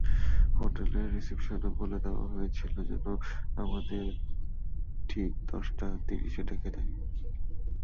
হোটেলের রিসেপশনে বলে দেওয়া ছিল যেন ওদের ঠিক দশটা তিরিশে ডেকে দেয়।